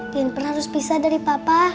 jeniper harus pisah dari papa